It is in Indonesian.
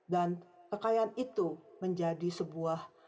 dan kekayaan itu menjadi sebuah